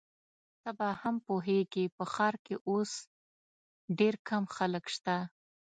ته به هم پوهیږې، په ښار کي اوس ډېر کم خلک شته.